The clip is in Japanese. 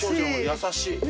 優しい。